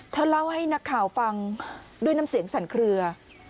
เล่าให้นักข่าวฟังด้วยน้ำเสียงสั่นเคลือ